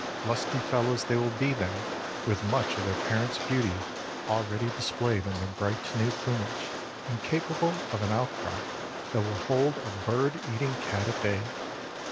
Lusty fellows they will be then, with much of their parents' beauty already displayed in their bright new plumage and capable of an outcry that will hold a bird eating cat at bay.